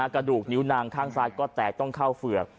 กระดูกนิ้วนางข้างซ้ายก็แตกต้องเข้าเฝือก